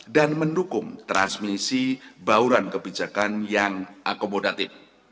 dan mendukung transmisi bauran kebijakan yang akomodatif